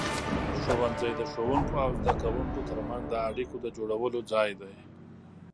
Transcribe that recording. ښوونځی د ښوونکو او زده کوونکو ترمنځ د اړیکو د جوړولو ځای دی.